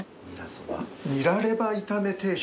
ニラレバ炒め定食。